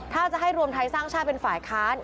ถ้าจะให้รวมไทยสร้างชาติเป็นฝ่ายค้าน